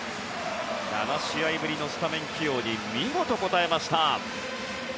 ７試合ぶりのスタメン起用に見事応えました。